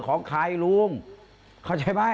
คุยกันต่อวันหลังนะเรื่องซิมเนี้ย